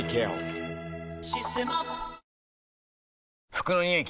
服のニオイ